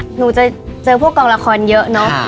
มันเจอผู้บินกองละครเยอะเนอะ